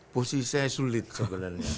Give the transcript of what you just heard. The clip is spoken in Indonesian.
posisi saya sulit sebenarnya